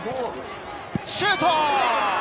シュート！